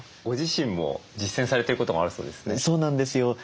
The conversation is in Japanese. ご自身も実践されてることがあるそうですね。